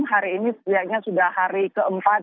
hari ini setidaknya sudah hari keempat